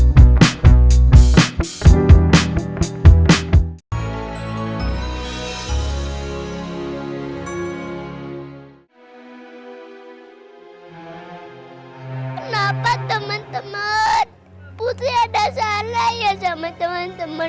hai hai hai kenapa teman teman putih ada salah ya sama teman teman